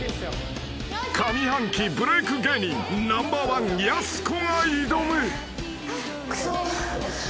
［上半期ブレーク芸人ナンバーワンやす子が挑む］